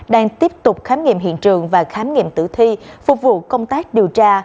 đang tiếp tục khám nghiệm hiện trường và khám nghiệm tử thi phục vụ công tác điều tra